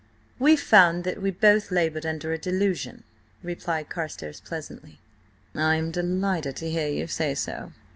"We found that we both laboured under a delusion," replied Carstares pleasantly. "I am delighted to hear you say so.